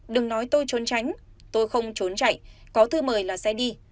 đừng nói tôi trốn tránh tôi không trốn chạy có thư mời là xe đi